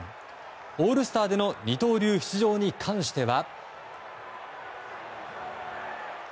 オールスターでの二刀流出場に関しては。